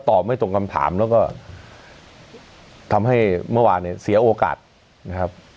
ไม่ตรงคำถามแล้วก็ทำให้เมื่อวานเนี่ยเสียโอกาสนะครับ